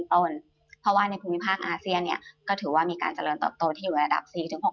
เพราะว่าในภูมิภาคอาเซียนเนี่ยก็ถือว่ามีการเจริญเติบโตที่อยู่ระดับ๔๖๖